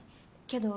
けど。